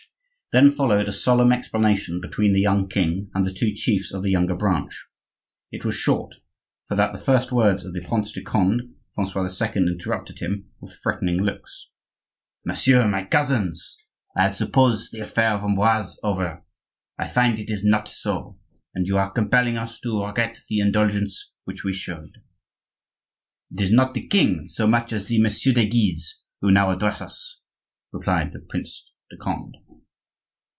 Then followed a solemn explanation between the young king and the two chiefs of the younger branch. It was short, for that the first words of the Prince de Conde Francois II. interrupted him, with threatening looks: "Messieurs, my cousins, I had supposed the affair of Amboise over; I find it is not so, and you are compelling us to regret the indulgence which we showed." "It is not the king so much as the Messieurs de Guise who now address us," replied the Prince de Conde.